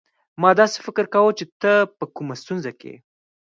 ما داسي فکر کاوه چي ته په کومه ستونزه کې يې.